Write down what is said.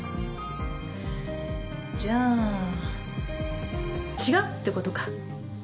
じゃあ違うってことか？